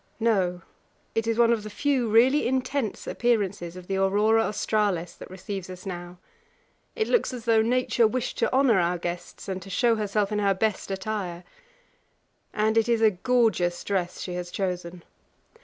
No; it is one of the few really intense appearances of the aurora australis that receives us now. It looks as though Nature wished to honour our guests, and to show herself in her best attire. And it is a gorgeous dress she has chosen.